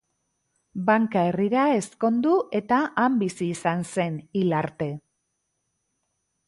Banka herrira ezkondu eta han bizi izan zen hil arte.